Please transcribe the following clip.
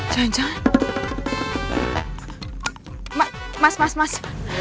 kamu kenapa minum sih mas